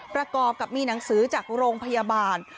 ประกอบกับมีหนังสือจากโรงพยาบาล